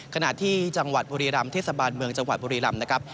ขณะที่จังหวัดบุรีรำเทศบาลเมืองจังหวัดบุรีรำนะครับ